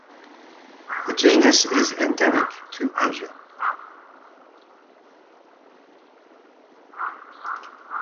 The genus is endemic to Asia.